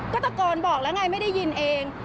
ก็ตะโกนบอกแล้วไงไม่ได้ยินเอง